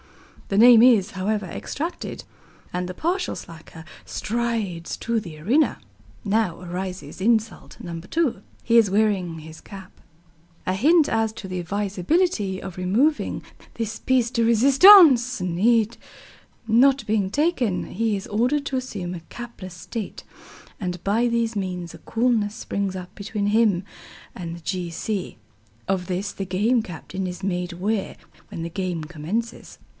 The name is, however, extracted, and the partial slacker strides to the arena. Now arises insult No. 2. He is wearing his cap. A hint as to the advisability of removing this pièce de résistance not being taken, he is ordered to assume a capless state, and by these means a coolness springs up between him and the G. C. Of this the Game Captain is made aware when the game commences.